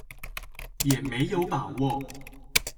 也沒有把握